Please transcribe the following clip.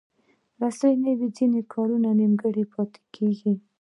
رسۍ نه وي، ځینې کارونه نیمګړي پاتېږي.